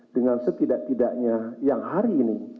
dengan setidak tidaknya yang hari ini